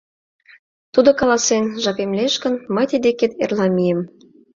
Тудо каласен, жапем лиеш гын, мый тый декет эрла мием.